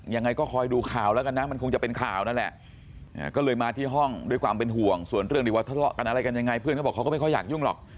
ยังไงก็คอยดูข่าวแล้วกันนะมันคงจะเป็นข่าวนั่นแหละก็เลยมาที่ห้องด้วยความเป็นห่วงส่วนเรื่องที่ว่าทะเลาะกันอะไรกันยังไงเพื่อนเขาบอกเขาก็ไม่ค่อยอยากยุ่งหรอก